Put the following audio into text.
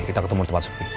kita ketemu di tempat sepi